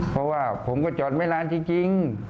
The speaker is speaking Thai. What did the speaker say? เพราะว่าผมก็จอดไม่นานจริง